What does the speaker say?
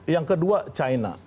yang kedua china